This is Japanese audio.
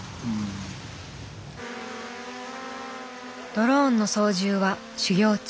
ドローンの操縦は修業中。